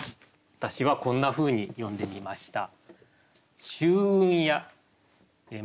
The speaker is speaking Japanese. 私はこんなふうに詠んでみました。